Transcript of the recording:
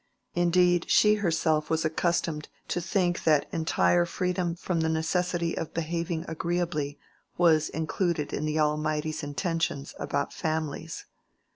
Indeed, she herself was accustomed to think that entire freedom from the necessity of behaving agreeably was included in the Almighty's intentions about families.